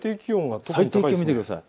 最低気温を見てください。